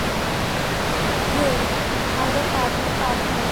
হেই, ঘাড় না ধরে, পা ধর।